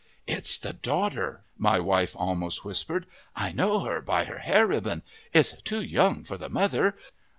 "It's the daughter!" my wife almost whispered. "I know her by her hair ribbon; it's too young for the mother!